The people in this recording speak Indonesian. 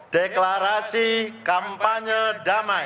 deklarasi kampanye damai